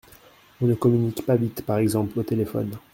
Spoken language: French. On ne communique pas vite, par exemple Au téléphone.